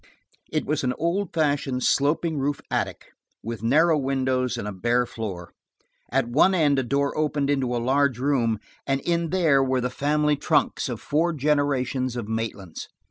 It was an old fashioned, sloping roofed attic, with narrow windows and a bare floor. At one end a door opened into a large room, and in there were the family trunks of four generations of Maitlands.